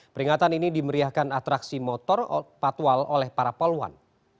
peringatan ini dimeriahkan atraksi motor patwal oleh para poluan